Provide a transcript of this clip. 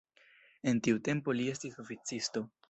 En tiu tempo li estis oficisto.